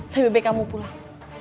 lebih baik kamu pulang